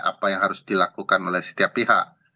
apa yang harus dilakukan oleh setiap pihak